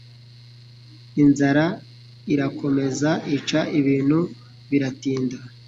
Inzara irakomeza ica ibintu biratinda.